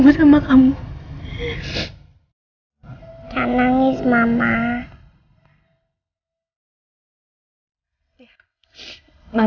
kamu juga cantik sayang